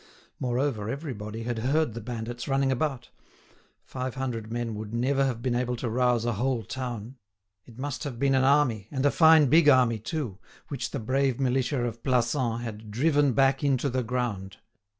Moreover everybody had heard the bandits running about. Five hundred men would never have been able to rouse a whole town. It must have been an army, and a fine big army too, which the brave militia of Plassans had "driven back into the ground."